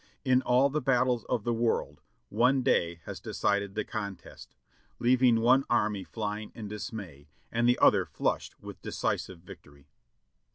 In all the battles of the world one day has decided the con test, leaving one army flying in dismay and the other flushed with decisive victory.